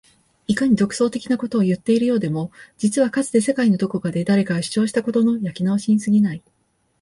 いかに独創的なことを言っているようでいても実はかつて世界のどこかで誰かが主張したことの焼き直しに過ぎない